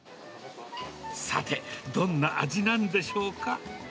さて、どんな味なんでしょうか。